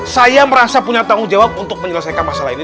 saya merasa punya tanggung jawab untuk menyelesaikan masalah ini